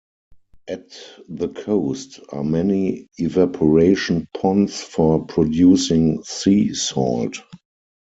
At the coast are many evaporation ponds for producing sea salt.